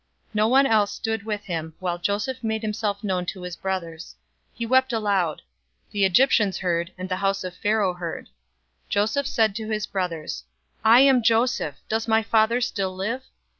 No one else stood with him, while Joseph made himself known to his brothers. 045:002 He wept aloud. The Egyptians heard, and the house of Pharaoh heard. 045:003 Joseph said to his brothers, "I am Joseph! Does my father still live?"